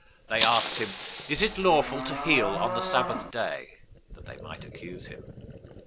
They asked him, "Is it lawful to heal on the Sabbath day?" that they might accuse him.